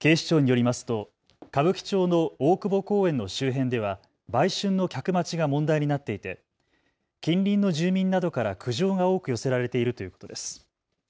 警視庁によりますと歌舞伎町の大久保公園の周辺では売春の客待ちが問題になっていて近隣の住民などから苦情が多く寄せられているということです。